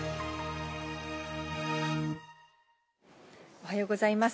おはようございます。